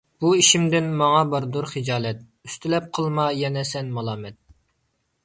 بۇ ئىشىمدىن ماڭا باردۇر خىجالەت، ئۈستىلەپ قىلما يەنە سەن مالامەت.